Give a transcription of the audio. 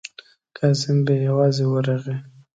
کازم بې یوازې ورغی.